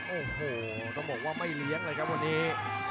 โอ้โหต้องบอกว่าไม่เลี้ยงเลยครับวันนี้